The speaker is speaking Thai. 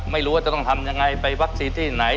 ไม่รู้ว่าจะต้องทำยังไงไปวัคซีนที่ไหน